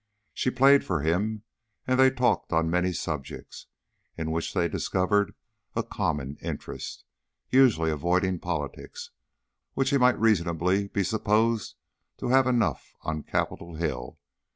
She played for him, and they talked on many subjects, in which they discovered a common interest, usually avoiding politics, of which he might reasonably be supposed to have enough on Capitol Hill.